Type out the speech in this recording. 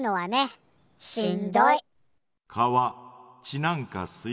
しんどい。